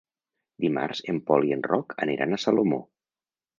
Dimarts en Pol i en Roc aniran a Salomó.